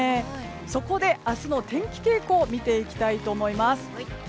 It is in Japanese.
そこで明日の天気傾向を見ていきたいと思います。